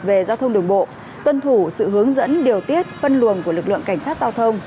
về giao thông đường bộ tuân thủ sự hướng dẫn điều tiết phân luồng của lực lượng cảnh sát giao thông